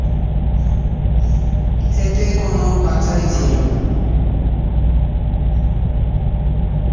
এতে কোন বাছাই ছিল না।